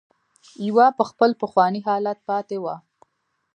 يوه په خپل پخواني حالت پاتې وه.